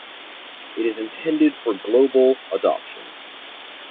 It is intended for global adoption.